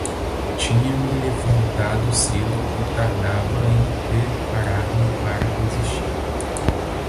Tinha-me levantado cedo e tardava em preparar-me para existir.